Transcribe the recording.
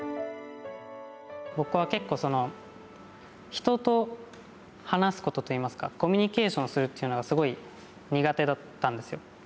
僕は結構、人と話すことといいますか、コミュニケーションするというのがすごい苦手だったんですよ。